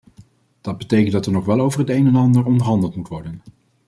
Dat betekent dat er nog wel over het een en ander onderhandeld moet worden.